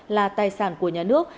là tài sản của nhà nước